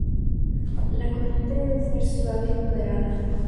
La corriente debe ser de suave a moderada.